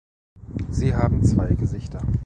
Sie haben zwei Gesichter.